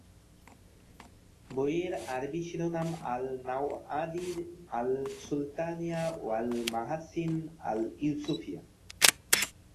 বইয়ের আরবি শিরোনাম "আল-নাওয়াদির আল-সুলতানিয়া ওয়াল-মাহাসিন আল-ইউসুফিয়া"।